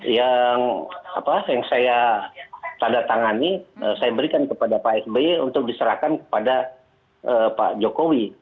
yang saya tanda tangani saya berikan kepada pak sby untuk diserahkan kepada pak jokowi